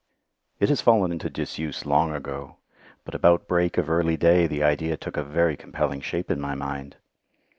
It has fallen into disuse long ago, but about break of early day the idea took a very compelling shape in my mind.